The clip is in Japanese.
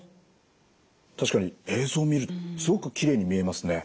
確かに映像を見るとすごくきれいに見えますね。